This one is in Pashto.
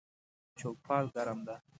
چوپال ګرم ده